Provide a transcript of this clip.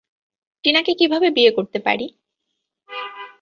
টিনাকে কীভাবে বিয়ে করতে পারি?